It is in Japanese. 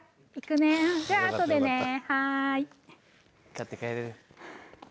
買って帰れる。